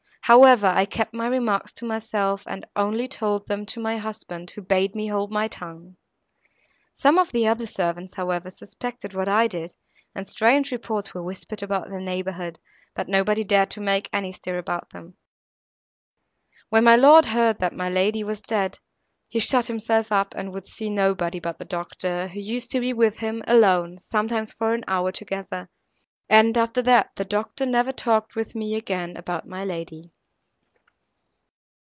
However, I kept my remarks to myself, and only told them to my husband, who bade me hold my tongue. Some of the other servants, however, suspected what I did, and strange reports were whispered about the neighbourhood, but nobody dared to make any stir about them. When my lord heard that my lady was dead, he shut himself up, and would see nobody but the doctor, who used to be with him alone, sometimes for an hour together; and, after that, the doctor never talked with me again about my lady.